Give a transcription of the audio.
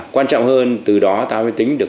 quan trọng hơn từ đó ta mới tính được